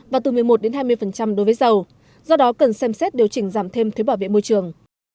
và từ một mươi một hai mươi đối với dầu do đó cần xem xét điều chỉnh giảm thêm thuế bảo vệ môi trường